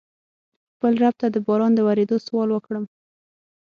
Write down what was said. خپل رب ته د باران د ورېدو سوال وکړم.